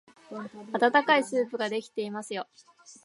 あたたかいスープができていますよ。